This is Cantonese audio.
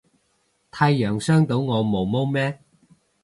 太陽傷到我毛毛咩